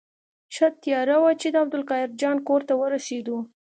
ښه تیاره وه چې د عبدالقاهر جان کور ته ورسېدو.